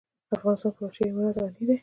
افغانستان په وحشي حیوانات غني دی.